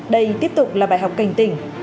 đây tiếp tục là bài học cảnh tỉnh